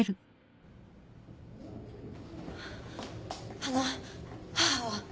あの母は。